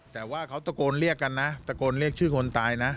แต่ว่าเขาตะโกนเรียกกันนะตะโกนเรียกชื่อคนตายนะ